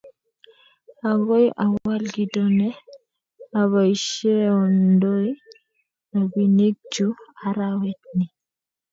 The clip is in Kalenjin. Agoi awal kito ne aboisiondoi robinikchu arawet ni